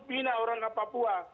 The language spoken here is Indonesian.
pindah orang ke papua